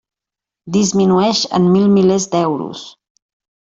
Disminueix en mil milers d'euros.